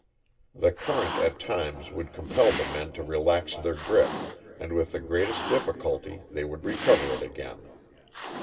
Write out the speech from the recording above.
The current at times would compel the men to relax their grip and with the greatest difficulty they would recover it again.